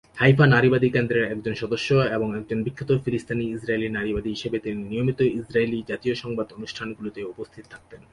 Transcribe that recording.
Haifa নারীবাদী কেন্দ্রের একজন সদস্য এবং একজন বিখ্যাত ফিলিস্তিনি-ইসরায়েলি নারীবাদী হিসাবে, তিনি নিয়মিত ইসরায়েলি জাতীয় সংবাদ অনুষ্ঠানগুলিতে উপস্থিত থাকতেন।